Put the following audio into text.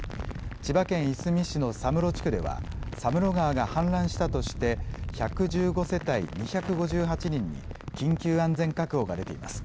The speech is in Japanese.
千葉県いすみ市の佐室地区では佐室川が氾濫したとして１１５世帯２５８人に緊急安全確保が出ています。